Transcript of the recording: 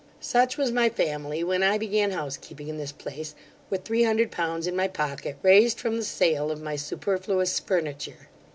'Such was my family when I began house keeping in this place, with three hundred pounds in my pocket, raised from the sale of my superfluous furniture.